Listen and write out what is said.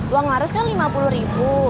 uang mares kan lima puluh ribu